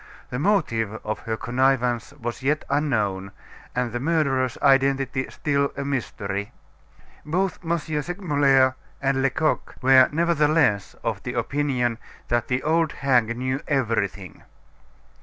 The motive of her connivance was yet unknown, and the murderer's identity still a mystery. Both M. Segmuller and Lecoq were nevertheless of the opinion that the old hag knew everything.